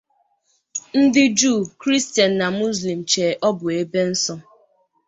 Ndi Jew, Christian, na Muslim che obu ebe nso.